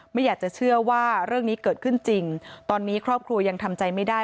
ไม่อยากจะเชื่อว่าเรื่องนี้เกิดขึ้นจริงตอนนี้ครอบครัวยังทำใจไม่ได้